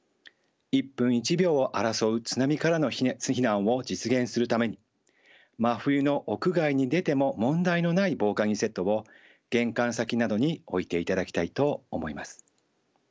一分一秒を争う津波からの避難を実現するために真冬の屋外に出ても問題のない防寒着セットを玄関先などに置いていただきたいと思います。